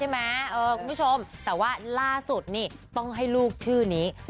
พี่น่าสุดต้องให้ลูกที่นี่